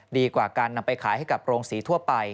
ดีกว่าการนำไปขายให้กับโรงสีทั่วไป